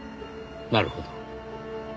なるほど。